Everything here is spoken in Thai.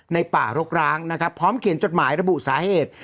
ป่ารกร้างนะครับพร้อมเขียนจดหมายระบุสาเหตุ